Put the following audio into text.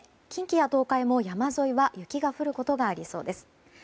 近畿や東海も山沿いは雪が降ることがありそうです。